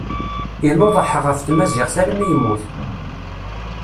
Inuḍeḥ ɣef tmaziɣt almi yemmut.